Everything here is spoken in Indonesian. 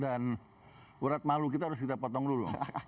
dan urat malu kita harus kita potong dulu